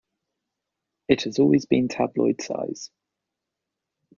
It has always been tabloid-size.